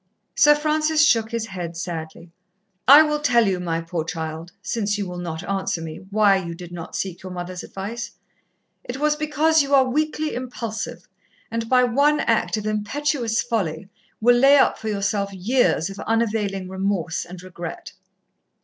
Sir Francis shook his head sadly. "I will tell you, my poor child, since you will not answer me, why you did not seek your mother's advice. It was because you are weakly impulsive, and by one act of impetuous folly will lay up for yourself years of unavailing remorse and regret."